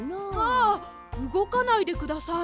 あうごかないでください。